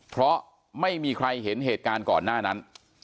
เพราะไม่มีใครเห็นเหตุการณ์ก่อนหน้านั้น